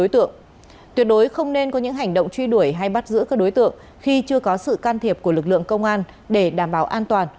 tuyệt đối không nên có những hành động truy đuổi hay bắt giữ các đối tượng khi chưa có sự can thiệp của lực lượng công an để đảm bảo an toàn